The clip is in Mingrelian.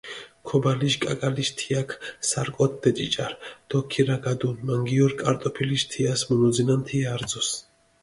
ქობალიშ კაკალიშ თიაქ სარკოთ დეჭიჭარჷ დო ქირაგადუ, მანგიორი კარტოფილიშ თიას მუნუძინანთია არძოს.